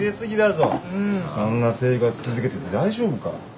そんな生活続けてて大丈夫か。